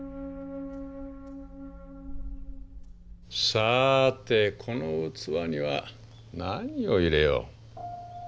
さてこの器には何を入れよう。